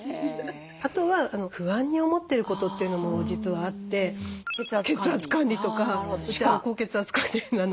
あとは不安に思ってることというのも実はあって血圧管理とかうちは高血圧家系なので。